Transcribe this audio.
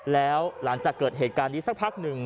แล้วหลังจากเกิดเหตุการณ์นี้สักพักหนึ่ง